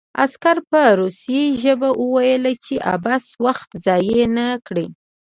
عسکر په روسي ژبه وویل چې عبث وخت ضایع نه کړي